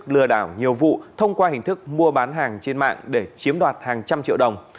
lừa đảo nhiều vụ thông qua hình thức mua bán hàng trên mạng để chiếm đoạt hàng trăm triệu đồng